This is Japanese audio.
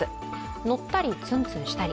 乗ったりツンツンしたり。